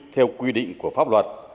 theo quy định của pháp luật